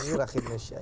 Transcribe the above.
umumnya rakyat indonesia